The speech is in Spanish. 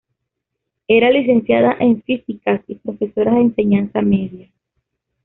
Era licenciada en Físicas y profesora de Enseñanza Media.